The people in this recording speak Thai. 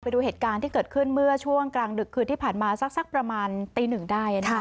ไปดูเหตุการณ์ที่เกิดขึ้นเมื่อช่วงกลางดึกคืนที่ผ่านมาสักประมาณตีหนึ่งได้